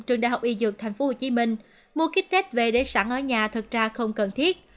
trường đại học y dược tp hcm mua kích tết về để sẵn ở nhà thật ra không cần thiết